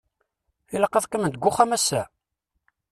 Ilaq ad qqiment g uxxam ass-a?